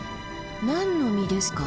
何の実ですか？